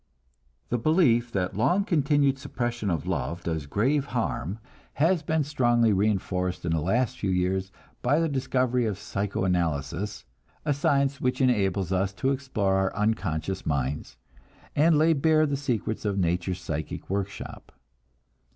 The belief that long continued suppression of love does grave harm has been strongly reinforced in the last few years by the discovery of psycho analysis, a science which enables us to explore our unconscious minds, and lay bare the secrets of nature's psychic workshop.